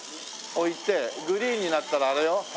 置いてグリーンになったらあれよ。